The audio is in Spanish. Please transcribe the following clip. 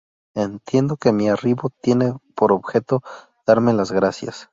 Entiendo que mi arribo tiene por objeto darme las gracias.